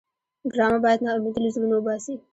ډرامه باید ناامیدي له زړونو وباسي